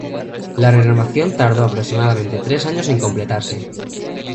La renovación tardó aproximadamente tres años en completarse.